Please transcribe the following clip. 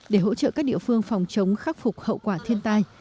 để hỗ trợ các địa phương phòng chống khắc phục hậu quả thiên tai